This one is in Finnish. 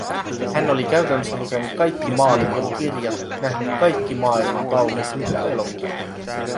Hän oli käytännössä lukenut kaikki maaliman kirjat, nähnyt kaikki maailman taulut ja elokuvat.